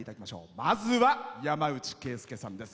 まずは山内惠介さんです。